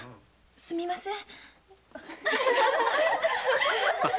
すみません。